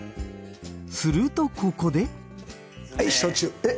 するとここでえっ？